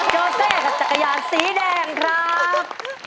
โจเซกับจักรยานสีแดงครับ